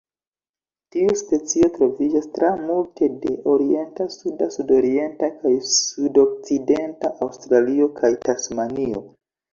Tiu specio troviĝas tra multe de orienta, suda, sudorienta kaj sudokcidenta Aŭstralio kaj Tasmanio.